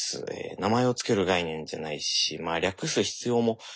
名前を付ける概念じゃないし略す必要もないですからね。